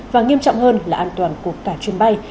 và nghiêm trọng hơn là an toàn của cả chuyến bay